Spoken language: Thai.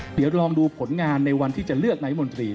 เดี๋ยวลองดูผลงานในวันที่จะเลือกนายมนตรี